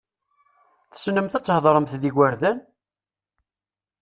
Tessnemt ad theḍṛemt d igurdan?